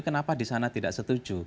kenapa di sana tidak setuju